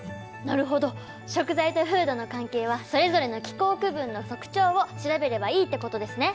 なるほど食材と風土の関係はそれぞれの気候区分の特徴を調べればいいってことですね。